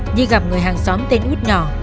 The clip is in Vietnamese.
nhi gặp người hàng xóm tên út nỏ